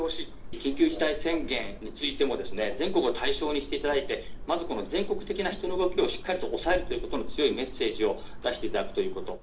緊急事態宣言についてもですね、全国を対象にしていただいて、まずこの全国的な人の動きをしっかりと抑えることへの強いメッセージを出していただくということ。